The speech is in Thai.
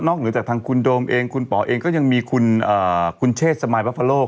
นอกหลายจากคุณโดมคุณป๋อเองก็ยังมีคุณเชศ้าสมาอยปปาเฟอรู